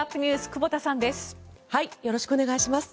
久保田さんです。